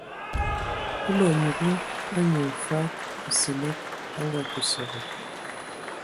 Kulu a nyugu anyu mfag Asǝlǝg a ngakǝ sɔbɔ.